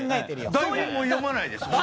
台本も読まないです！